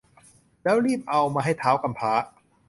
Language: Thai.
แล้วรีบเอามาให้ท้าวกำพร้า